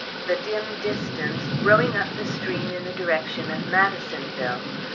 the dim distance, rowing up the stream in the direction of Madisonville.